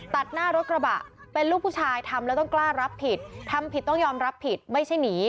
ตัดหน้ารถกระบะเป็นลูกผู้ชายทำแล้วต้องกล้ารับผิดทำผิดต้องยอมรับผิดไม่ใช่หนี